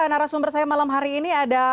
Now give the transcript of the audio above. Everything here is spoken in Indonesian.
narasumber saya malam hari ini ada